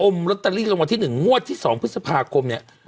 อ้มโรตตะลีเรียกว่าที่หนึ่งงวดที่๒พฤษภาคมนี้